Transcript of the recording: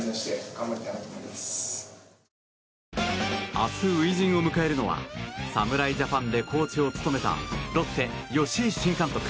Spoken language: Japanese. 明日、初陣を迎えるのは侍ジャパンでコーチを務めたロッテ、吉井新監督。